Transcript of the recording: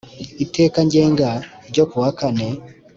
Itegeko ngenga n ryo ku wa kane